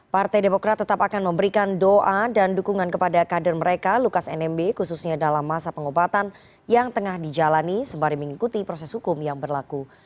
partai demokrat tetap akan memberikan doa dan dukungan kepada kader mereka lukas nmb khususnya dalam masa pengobatan yang tengah dijalani sembari mengikuti proses hukum yang berlaku